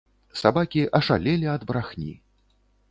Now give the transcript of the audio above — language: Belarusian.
Сабакі ашалелі ад брахні.